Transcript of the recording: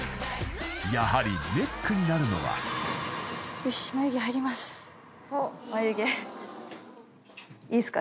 ［やはりネックになるのは］いいっすか？